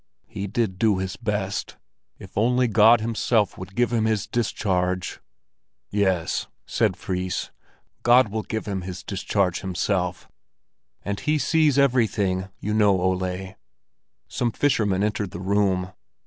"He did do his best. If only God Himself would give him his discharge!" "Yes," said Fris. "God will give him his discharge Himself, and he sees everything, you know, Ole." Some fishermen entered the room.